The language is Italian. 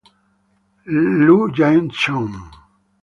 Lu Yen-hsun